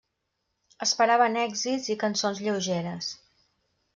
Esperaven èxits i cançons lleugeres.